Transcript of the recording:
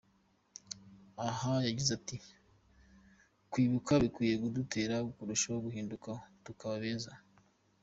Aha yagize ati “Kwibuka bikwiriye kudutera kurushaho guhinduka tukaba beza”.